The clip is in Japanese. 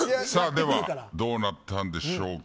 ではどうなったんでしょうか。